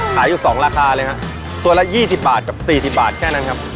ขายอยู่๒ราคาเลยครับตัวละ๒๐บาทกับ๔๐บาทแค่นั้นครับ